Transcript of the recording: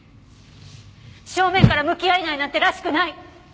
正面から向き合えないなんてらしくない！